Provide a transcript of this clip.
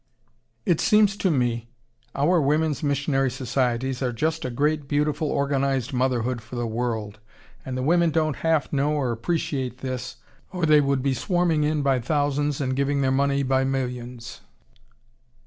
It seems to me, our Women's Missionary Societies are just a great, beautiful, organized motherhood for the world, and the women don't half know or appreciate this or they would be swarming in by thousands and giving their money by millions."